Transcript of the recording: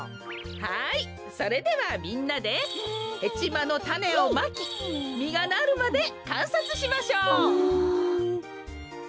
はいそれではみんなでヘチマのたねをまきみがなるまでかんさつしましょう！